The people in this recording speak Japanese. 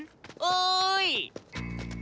おい！